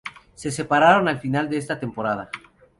Se separaron al final de esta temporada.